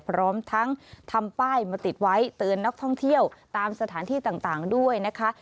พร้อมทั้งทำป้ายมาติดไว้เตือนนักท่องเที่ยวตามสถานที่ต่างด้วยนะคะ